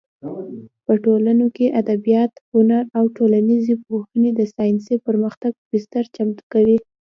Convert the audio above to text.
په ټولنو کې ادبیات، هنر او ټولنیزې پوهنې د ساینسي پرمختګ بستر چمتو کوي.